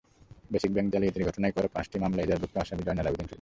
Basic bank জালিয়াতির ঘটনায় করা পাঁচটি মামলার এজাহারভুক্ত আসামি জয়নাল আবেদীন চৌধুরী।